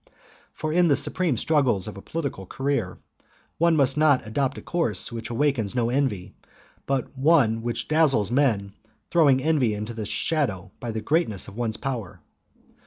For in the supreme struggles of a political career one must not adopt a course which awakens no envy, but one which dazzles men, throwing envy into the shade by the greatness of one's power.